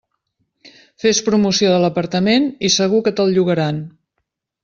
Fes promoció de l'apartament i segur que te'l llogaran.